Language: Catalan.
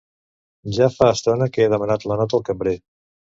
Ja fa estona que he demanat la nota al cambrer.